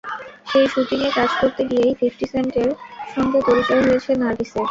সেই শুটিংয়ে কাজ করতে গিয়েই ফিফটি সেন্টের সঙ্গে পরিচয় হয়েছে নার্গিসের।